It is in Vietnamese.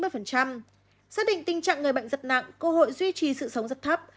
xác định tình trạng người bệnh giật nặng cơ hội duy trì sự sống rất thấp